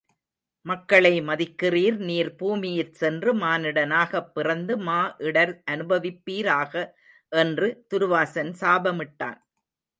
மக்களை மதிக்கிறீர் நீர் பூமியிற் சென்று மானிடனாகப் பிறந்து மா இடர் அனுபவிப்பீராக என்று துருவாசன் சாபமிட்டான்.